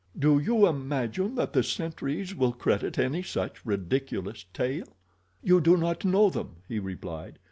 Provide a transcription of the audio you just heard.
"Do you imagine that the sentries will credit any such ridiculous tale?" "You do not know them," he replied.